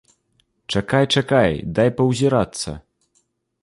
Чакай, чакай, дай паўзірацца.